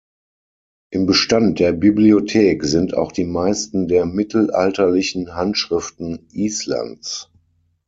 Im Bestand der Bibliothek sind auch die meisten der mittelalterlichen Handschriften Islands.